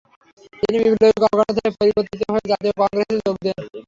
তিনি বিপ্লবী কর্মকান্ড থেকে পরিবর্তিত হয়ে জাতীয় কংগ্রেসের যোগ দেন।